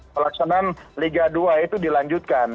pelaksanaan liga dua itu dilanjutkan